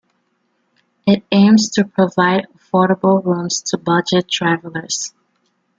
It aims to provide affordable rooms to budget travelers.